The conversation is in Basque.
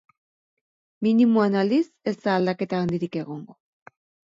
Minimoan, aldiz, ez da aldaketa handirik egongo.